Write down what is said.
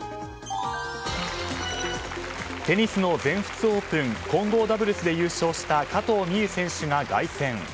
テニスの全仏オープン混合ダブルスで優勝した加藤未唯選手が凱旋。